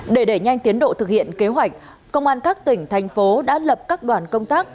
để đẩy nhanh tiến độ thực hiện kế hoạch công an các tỉnh thành phố đã lập các đoàn công tác